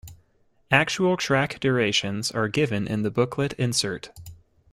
Actual track durations are given in the booklet insert.